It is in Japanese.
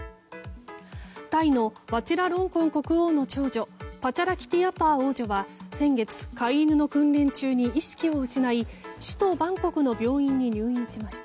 タイのワチラロンコン国王の長女パチャラキティヤパー王女は先月、飼い犬の訓練中に意識を失い、首都バンコクの病院に入院しました。